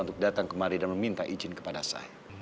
untuk datang kemari dan meminta izin kepada saya